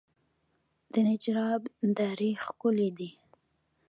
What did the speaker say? د نجراب درې ښکلې دي